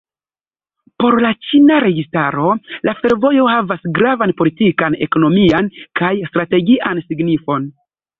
Por la ĉina registaro la fervojo havas gravan politikan, ekonomian kaj strategian signifon.